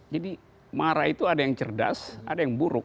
jadi marah itu ada yang cerdas ada yang buruk